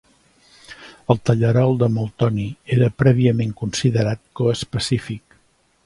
El tallarol de Moltoni era prèviament considerat coespecífic.